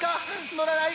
のらない！